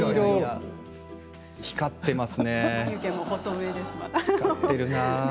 光っていますね。